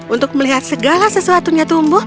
untuk melihat segala sesuatunya tumbuh